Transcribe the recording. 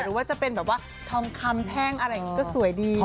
หรือว่าจะเป็นแบบว่าทองคำแท่งอะไรอย่างนี้ก็สวยดี